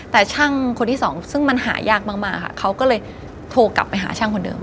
แต่ช่างคนที่สองซึ่งมันหายากมากค่ะเขาก็เลยโทรกลับไปหาช่างคนเดิม